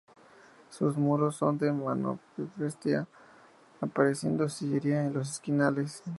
Sus muros son de mampostería, apareciendo sillería en los esquinales.